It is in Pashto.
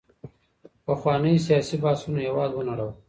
پخوانيو سياسي بحثونو هېواد ونړاوه.